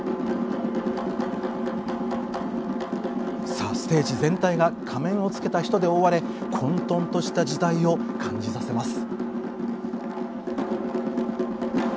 さあステージ全体が仮面をつけた人で覆われ混とんとした時代を感じさせます。